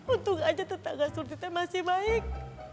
untung aja tetangga surti teh masih baik